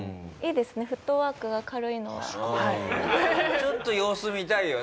ちょっと様子見たいよね。